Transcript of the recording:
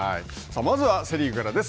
まずはセ・リーグからです。